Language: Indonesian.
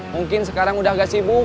mungkin sekarang udah gak sibuk